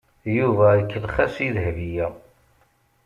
Yuba ikellex-as i Dahbiya.